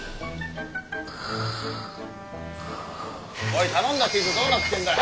おい頼んだチーズどうなってんだよ。